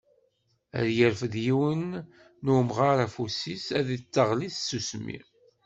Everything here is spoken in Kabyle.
Ad yerfed yiwen n umɣar afus-is, ad d-teɣli tsusmi.